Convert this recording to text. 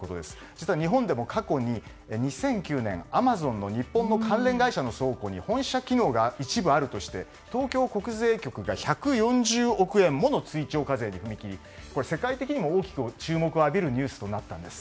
実は日本でも過去に２００９年アマゾンの日本の関連会社の倉庫に、本社機能が一部あるとして東京国税局が１４０億円もの追徴課税に踏み切り世界的にも大きく注目を浴びるニュースとなったんです。